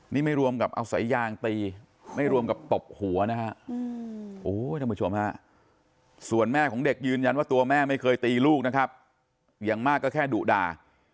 นี่ไม่รวมกับเอาสายยางตีไม่รวมกับตบหัวนะฮะโอ้ท่านผู้ชมฮะส่วนแม่ของเด็กยืนยันว่าตัวแม่ไม่เคยตีลูกนะครับอย่างมากก็แค่ดุด่า